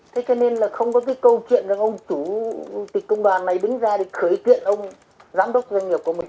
thế cho nên là không có cái câu chuyện là ông chủ tịch công đoàn này đứng ra để khởi kiện ông giám đốc doanh nghiệp của mình